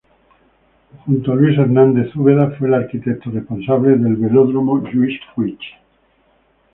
Junto a Luis Hernández Úbeda, fue el arquitecto responsable del Velódromo Lluís Puig.